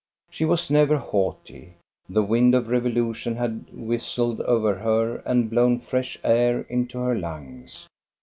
She was never haughty; the wind of revolution had whistled over her and blown fresh air into her lungs.